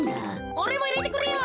おれもいれてくれよ。